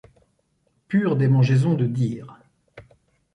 Pure démangeaison de dire.